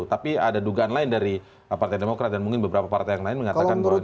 tapi ada dugaan lain dari partai demokrat dan mungkin beberapa partai yang lain mengatakan bahwa